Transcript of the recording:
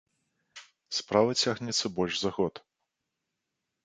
Справа цягнецца больш за год.